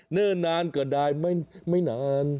เนิ่นนานก็ได้ไม่นาน